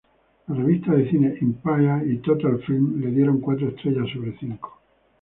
Las revistas de cine "Empire" y "Total Film" le dieron cuatro estrellas sobre cinco.